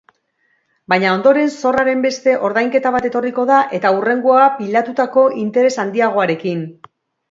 Baina ondoren zorraren beste ordainketa bat etorriko da eta hurrengoa pilatutako interes handiagorekin.